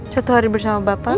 satu hari bersama bapak